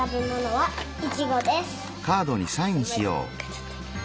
はい。